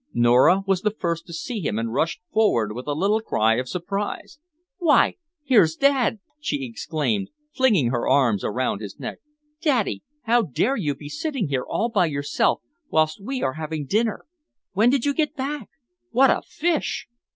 Nora was the first to see him and rushed forward with a little cry of surprise. "Why, here's Dad!" she exclaimed, flinging her arms around his neck. "Daddy, how dare you be sitting here all by yourself whilst we are having dinner! When did you get back? What a fish!"